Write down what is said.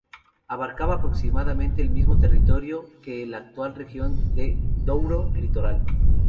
Abarcaba aproximadamente el mismo territorio que la actual región de Douro Litoral.